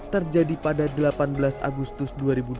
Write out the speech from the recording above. terjadi pada delapan belas agustus dua ribu dua puluh